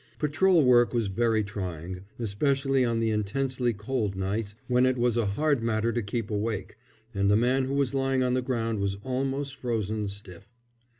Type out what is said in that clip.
Patrol work was very trying, especially on the intensely cold nights, when it was a hard matter to keep awake, and the man who was lying on the ground was almost frozen stiff.